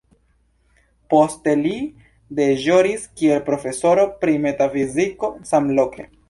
Poste li deĵoris kiel profesoro pri metafiziko samloke.